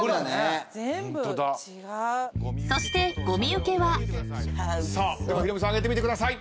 ［そして］ヒロミさん上げてみてください。